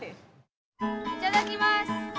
いただきます！